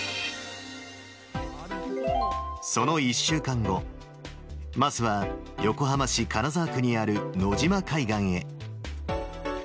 その１週間後、桝は横浜市金沢区にある野島海岸へ。